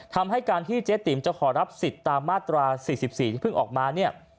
ทำให้การที่เจ๊ติ๋มจะขอรับสิทธิ์ตามมาตรา๔๔ที่เพิ่งออกมาเนี่ย